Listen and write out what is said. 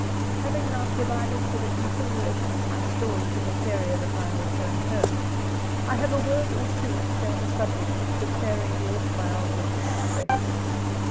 Having now provided for the continuation of my story to the period of my return home, I have a word or two to say on the subject of preparing the autobiography for press.